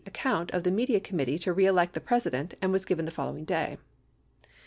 521 account of the Media Committee to Re Elect the President and was given the following day.